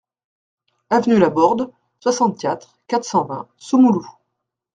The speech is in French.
Avenue Las Bordes, soixante-quatre, quatre cent vingt Soumoulou